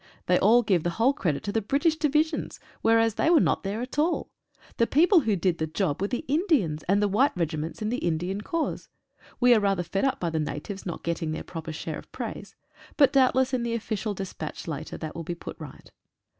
They all give the whole credit to the British Divisions, whereas they were not there at all. The people who did the job were the Indians and the white regiments in the Indian Corps. We are rather fed up by the natives not getting their pioper share of praise, but doubtless in the official des patch later that will be put right.